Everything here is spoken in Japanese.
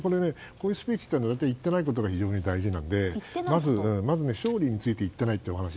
こういうスピーチというのは言っていないことが非常に大事なのでまず勝利について言っていないと。